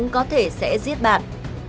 có thể sẽ giết bạn